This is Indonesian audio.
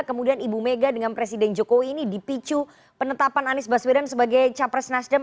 kemudian ibu mega dengan presiden jokowi ini dipicu penetapan anies baswedan sebagai capres nasdem